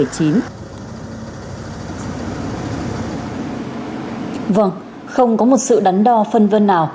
vâng không có một sự đắn đo phân vân nào